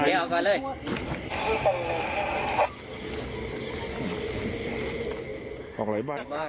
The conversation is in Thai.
นี่ออกก่อนเลย